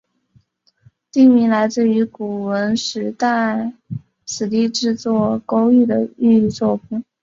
地名来自于古坟时代此地制作勾玉的玉作部。